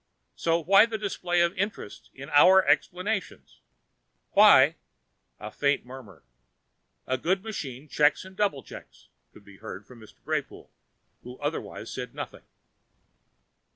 So, why the display of interest in our explanations, why " The faint murmur, "A good machine checks and double checks," could be heard from Mr. Greypoole, who otherwise said nothing.